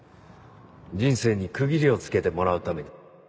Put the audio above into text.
人生に区切りをつけてもらうために。